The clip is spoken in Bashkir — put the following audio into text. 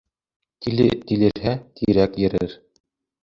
Тиле тилерһә, тирәк йырыр.